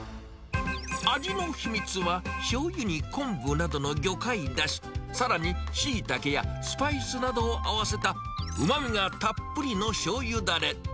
味の秘密は、しょうゆに昆布などの魚介だし、さらに、しいたけやスパイスなどを合わせた、うまみがたっぷりのしょうゆだれ。